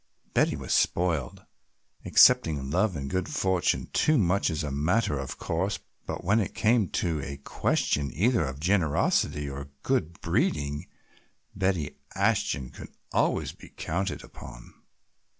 Betty was spoiled, accepting love and good fortune too much as a matter of course, but when it came to a question either of generosity or good breeding Betty Ashton could always be counted upon.